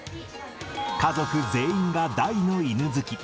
家族全員が大の犬好き。